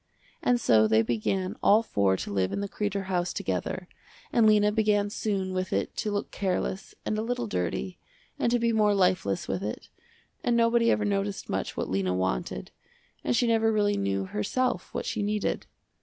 And so they began all four to live in the Kreder house together, and Lena began soon with it to look careless and a little dirty, and to be more lifeless with it, and nobody ever noticed much what Lena wanted, and she never really knew herself what she needed.